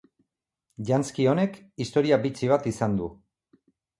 Janzki honek, historia bitxi bat izan du.